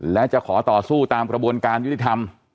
และจะขอต่อสู้ตามกระบวนการยุติธรรม